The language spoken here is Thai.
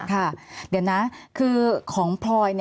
ค่ะเดี๋ยวนะคือของพลอย